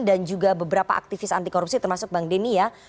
dan juga beberapa aktivis anti korupsi termasuk bang deni ya